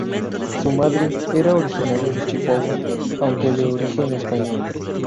Su madre era originaria de Chihuahua, aunque de origen español.